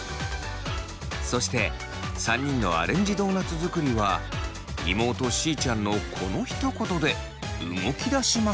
そして３人のアレンジドーナツ作りは妹しーちゃんのこのひと言で動きだしました。